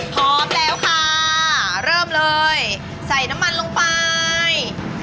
พร้อมแล้วค่ะเริ่มเลยใส่น้ำมันลงไป